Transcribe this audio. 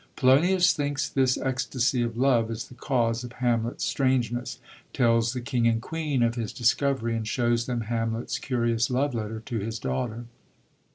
Polonius thinks this ecstasy of love is the cause of Hamlet's strangeness, tells the king and queen of his discovery, and shows them Hamlet's curious love letter to his daughter.